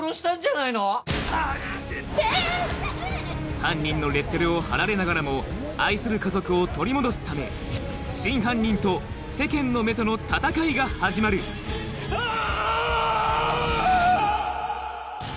犯人のレッテルを貼られながらも愛する家族を取り戻すため真犯人と世間の目との戦いが始まるうわぁ‼